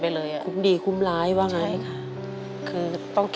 แบบจะนอน